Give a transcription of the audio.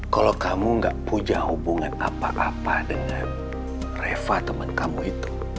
kalau kamu gak punya hubungan apa apa dengan reva teman kamu itu